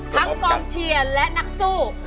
กองเชียร์และนักสู้